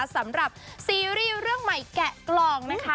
สำหรับซีรีส์เรื่องใหม่แกะกล่องนะคะ